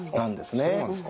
あっそうなんですか。